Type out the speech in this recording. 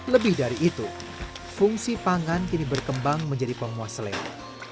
lebih dari itu fungsi pangan kini berkembang menjadi penguas selera